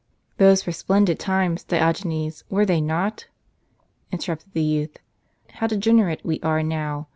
"Those were splendid times, Diogenes, were they not?" interrupted the youth ;" how degenerate we are now